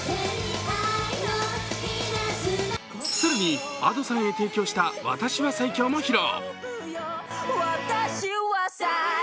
更にＡｄｏさんへ提供した「私は最強」も披露。